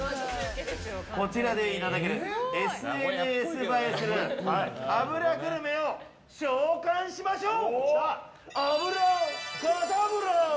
こちらでいただけるＳＮＳ映えする脂グルメを召喚しましょう！